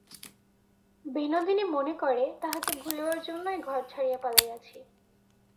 বিনোদিনী মনে করে, তাহাকে ভুলিবার জন্যই ঘর ছাড়িয়া পালাইয়াছি!